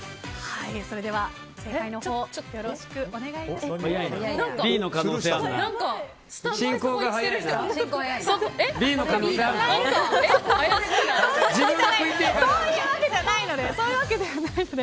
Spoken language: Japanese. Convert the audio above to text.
それでは、正解のほうよろしくお願いします。